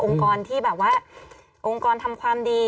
ที่แบบว่าองค์กรทำความดี